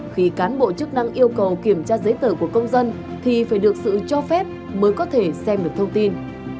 khi cán bộ chức năng yêu cầu kiểm tra giấy tờ của công dân thì phải được sự cho phép mới có thể xem được thông tin